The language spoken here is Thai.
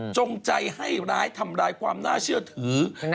จงใจให้ร้ายทำร้ายความน่าเชื่อถือ